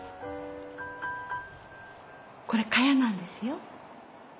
これ蚊帳なんですよ。